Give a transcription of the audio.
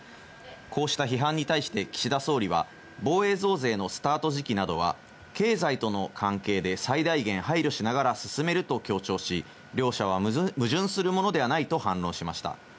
こうした批判に対して岸田総理は、防衛増税のスタート時期などは経済との関係で最大限配慮しながら進めると強調し、両者は矛盾するものではないと反論しました。